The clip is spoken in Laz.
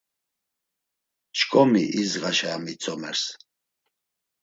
Ç̌ǩomi idzğaşa ya mitzomers.